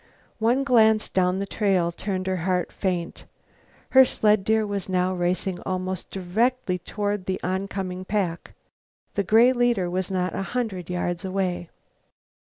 One glance down the trail turned her heart faint; her sled deer was now racing almost directly toward the oncoming pack, the gray leader not a hundred yards away.